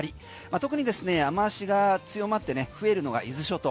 特に雨脚が強まってね増えるのが伊豆諸島。